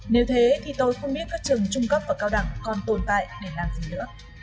nếu thế thì tôi không biết các trường trung cấp và cao đẳng còn tồn tại để làm gì nữa